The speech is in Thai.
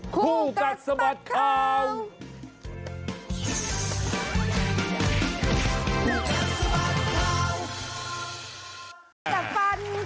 คู่กัดสมัติข่าวคู่กัดสมัติข่าว